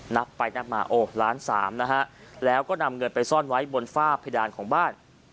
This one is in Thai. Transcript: นับไปนับมาโอ้ล้านสามนะฮะแล้วก็นำเงินไปซ่อนไว้บนฝ้าเพดานของบ้าน